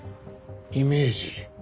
イメージ？